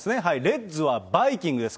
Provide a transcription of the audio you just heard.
レッズはバイキングです。